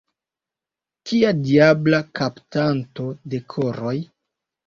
Kia diabla kaptanto de koroj!